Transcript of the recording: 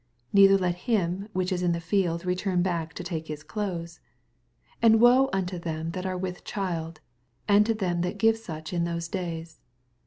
18 Neither let him which is in the field retam back to take his clothes. 19 And woe unto them that are with child, and to them that give each in those days